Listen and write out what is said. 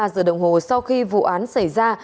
ba giờ đồng hồ sau khi vụ án xảy ra